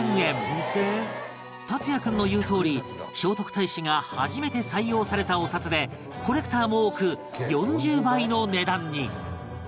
達哉君の言うとおり聖徳太子が初めて採用されたお札でコレクターも多く４０倍の値段に